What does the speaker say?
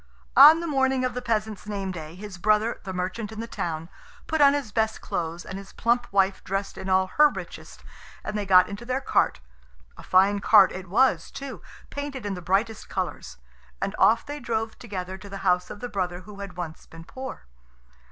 On the morning of the peasant's name day his brother, the merchant in the town, put on his best clothes, and his plump wife dressed in all her richest, and they got into their cart a fine cart it was too, painted in the brightest colours and off they drove together to the house of the brother who had once been poor.